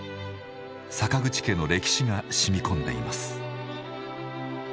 坂口家の歴史がしみこんでいます。